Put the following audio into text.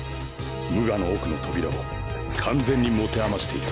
無我の奥の扉を完全に持て余している。